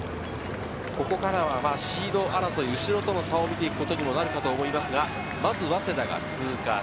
ここからはシード争い、後ろとの差を見ていくことにもなるかと思いますが、まず早稲田が通過。